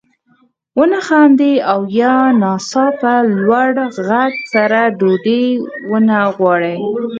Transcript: ونه خاندي او یا ناڅاپه لوړ غږ سره ډوډۍ وانه غواړي.